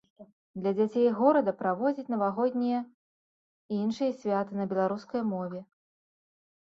Для дзяцей горада праводзіць навагоднія і іншыя святы на беларускай мове.